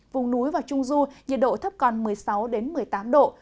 vùng núi và trung du nhiệt độ thấp còn một mươi sáu một mươi tám độ